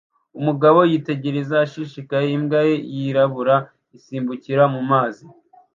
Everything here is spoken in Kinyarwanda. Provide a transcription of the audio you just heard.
Umugabo yitegereza ashishikaye imbwa ye yirabura isimbukira mu mazi